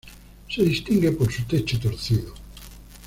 Se distingue por su techo torcido.